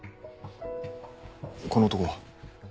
この男は？